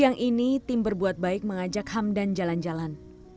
siang ini tim berbuat baik mengajak hamdan jalan jalan